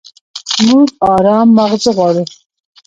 موږ ارام ماغزه غواړو.